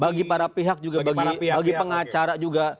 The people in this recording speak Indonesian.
bagi para pihak juga bagi pengacara juga